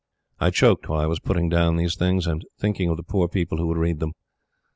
I choked while I was putting down these things and thinking of the poor people who would read them.